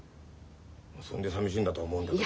そんでさみしいんだとは思うんだけど。